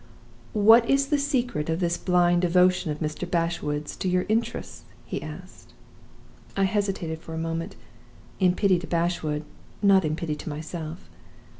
"'What is the secret of this blind devotion of Mr. Bashwood's to your interests?' he asked. "I hesitated for a moment in pity to Bashwood, not in pity to myself.